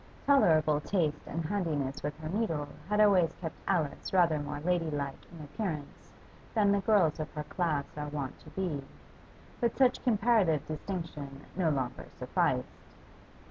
Tolerable taste and handiness with her needle had always kept Alice rather more ladylike in appearance than the girls of her class are wont to be, but such comparative distinction no longer sufficed.